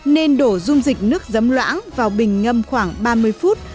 nên đổ dung dịch nước dấm loãng vào bình ngâm khoảng ba mươi phút